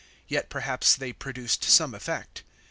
Yet perhaps they produced some effect.